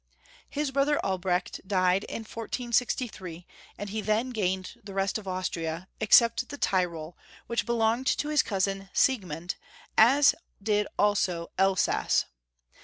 His brother Albrecht died in 1463, and he then gained the rest of Austria, except the Tyrol, which belonged to his cousin Siegmund, as did also Elsass.